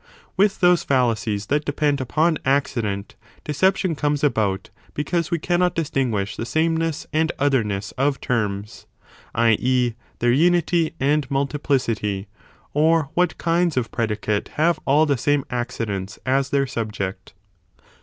With those fallacies that depend upon Accident, deception comes about 1 because we cannot distinguish the sameness and otherness of terms, i. e. their unity and multiplicity, or what kinds of predicate 5 have all the same accidents as their subject.